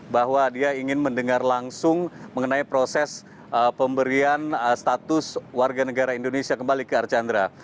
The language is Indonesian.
bahwa dia ingin mendengar langsung mengenai proses pemberian status warga negara indonesia kembali ke archandra